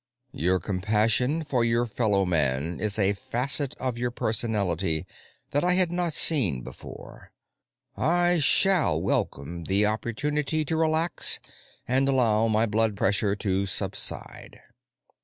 "Your compassion for your fellowman is a facet of your personality that I had not seen before. I shall welcome the opportunity to relax and allow my blood pressure to subside."